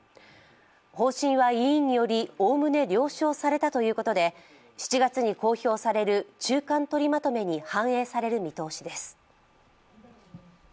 方針は委員により、おおむね了承されたということで７月に公表される中間取りまとめに反映される見通しです。